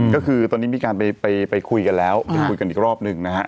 ก็คือตอนนี้มีการไปคุยกันแล้วไปคุยกันอีกรอบหนึ่งนะฮะ